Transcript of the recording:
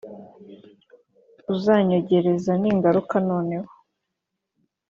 uzanyongeza ningaruka none